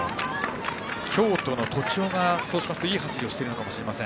京都の杤尾がそうすると、いい走りをしているのかもしれません。